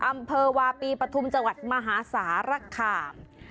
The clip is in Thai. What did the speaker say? อำเภอวาปีปฐุมจังหวัดมหาสารคาม